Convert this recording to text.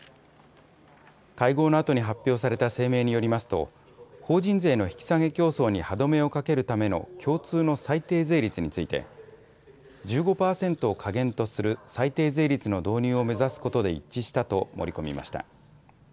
会合のあとに発表された声明によりますと法人税の引き下げ競争に歯止めをかけるための共通の最低税率について１５％を下限とする最低税率の導入を目指すことで一致したと盛り込みました。